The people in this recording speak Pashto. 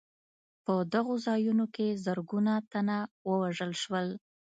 په دغو ځایونو کې زرګونه تنه ووژل شول.